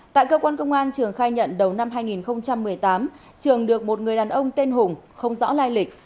tại cơ quan công an trường khai nhận đầu năm hai nghìn một mươi tám trường được một người đàn ông tên hùng không rõ lai lịch